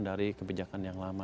dari kebijakan yang lama